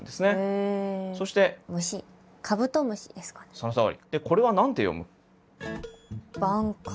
そのとおり。